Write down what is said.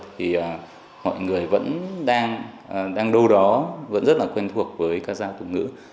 thì mọi người vẫn đang đâu đó vẫn rất là quen thuộc với các giao tục ngữ